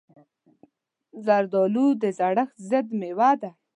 زردالو د زړښت ضد مېوه ده.